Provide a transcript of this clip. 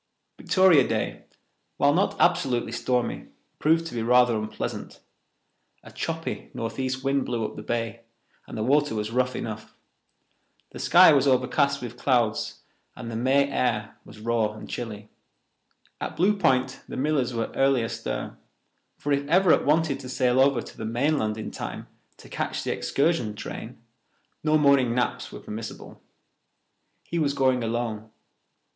Victoria Day, while not absolutely stormy, proved to be rather unpleasant. A choppy northeast wind blew up the bay, and the water was rough enough. The sky was overcast with clouds, and the May air was raw and chilly. At Blue Point the Millers were early astir, for if Everett wanted to sail over to the mainland in time to catch the excursion train, no morning naps were permissible. He was going alone.